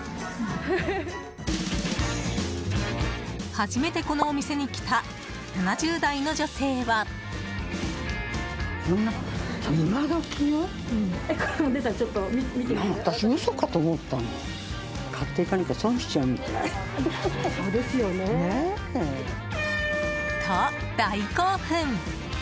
初めてこのお店に来た７０代の女性は。と、大興奮。